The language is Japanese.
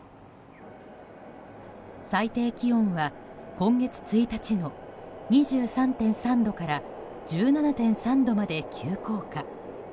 最低気温は今月１日の２３．３度から１７．３度まで急降下。